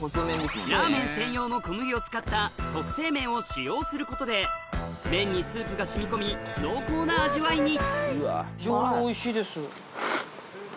ラーメン専用の小麦を使った特製麺を使用することで麺にスープが染み込み濃厚な味わいに非常においしいです。